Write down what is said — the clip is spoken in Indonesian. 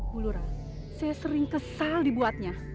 bulura saya sering kesal dibuatnya